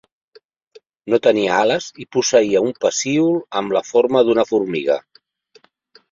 No tenia ales i posseïa un pecíol amb la forma d'una formiga.